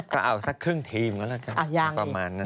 ก็เอาสักครึ่งทีมก็แล้วกันประมาณนั้น